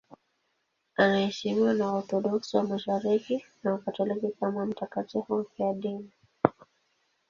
Anaheshimiwa na Waorthodoksi wa Mashariki na Wakatoliki kama mtakatifu mfiadini.